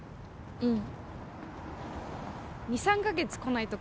うん。